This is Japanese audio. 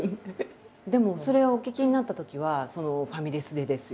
でもそれをお聞きになったときはファミレスでですよ